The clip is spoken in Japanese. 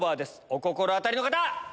お心当たりの方！